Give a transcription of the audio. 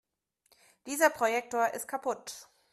Dieser Projektor ist kaputt.